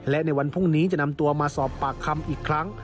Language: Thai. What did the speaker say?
และในวันพรุ่งนี้จะนำตัวมาสอบปากคำอีกครั้ง